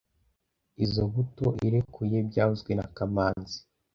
Izoi buto irekuye byavuzwe na kamanzi